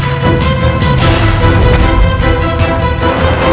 sampai ketemu di rumahmu